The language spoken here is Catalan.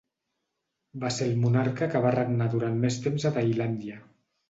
Va ser el monarca que va regnar durant mes temps a Tailàndia.